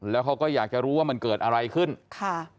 แล้วเขาก็อยากจะรู้ว่ามันเกิดอะไรขึ้นค่ะ